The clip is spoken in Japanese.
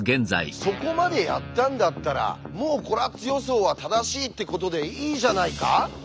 そこまでやったんだったらもうコラッツ予想は正しいってことでいいじゃないか？